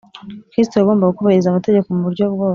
, Kristo yagombaga kubahiriza amategeko mu buryo bwose